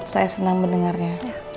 saya senang mendengarnya